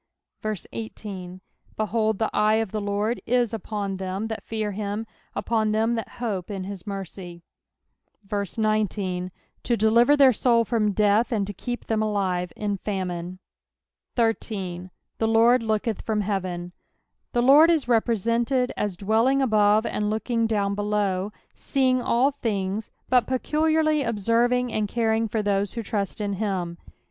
18 Behold, the eye of the Lord is upon them that fear him, upon them that hope in his mercy ; 19 To deliver their soul from death, and to keep them alive in famine. 13. " The Lord looketh from heateny The Lord ia represented as dwelling above knd looking down below ; sceiDZ^ll things, but peculiarly observing ana coring for those who trust in him.